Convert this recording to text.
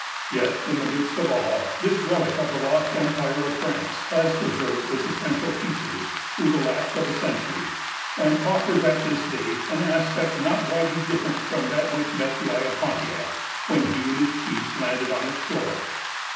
Yet, in the midst of all, this relic of the lost empire of France has preserved its essential features through the lapse of a century, and offers at this day an aspect not widely different from that which met the eye of Pontiac, when he and his chiefs landed on its shore.